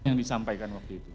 yang disampaikan waktu itu